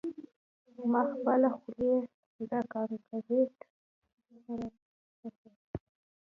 ما خپله خولۍ د کانکریټ سر ته پورته کړه